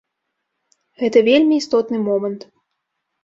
Гэта вельмі істотны момант.